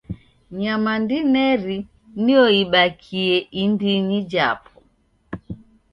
Nyama ndineri nio ibakie indinyi japo.